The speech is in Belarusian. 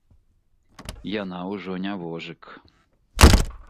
Яна ўжо не вожык.